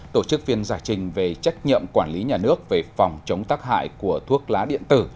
tổ chức phiên giải trình về trách nhiệm quản lý nhà nước về phòng chống tác hại của thuốc lá điện tử